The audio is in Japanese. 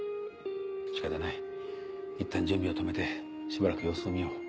仕方ないいったん準備を止めてしばらく様子を見よう。